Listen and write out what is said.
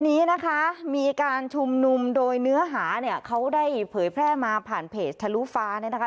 นี้นะคะมีการชุมนุมโดยเนื้อหาเนี่ยเขาได้เผยแพร่มาผ่านเพจทะลุฟ้าเนี่ยนะคะ